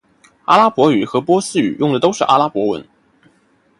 阿拉伯语和波斯语用的都是阿拉伯文。